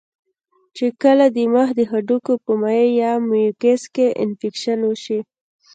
چې کله د مخ د هډوکو پۀ مائع يا ميوکس کې انفکشن اوشي